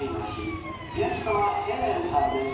ゲストはヘレンさんです。